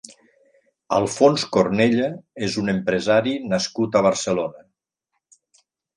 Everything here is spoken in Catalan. Alfons Cornella és un empresari nascut a Barcelona.